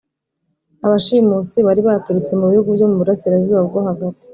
abashimusi bari baturutse mu bihugu byo mu burasirazuba bwo hagati.